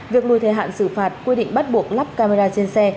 việc lùi thời hạn xử phạt quy định bắt buộc lắp camera trên xe